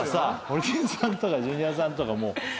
ホリケンさんとかジュニアさんとかもう。